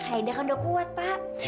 haida kan udah kuat pak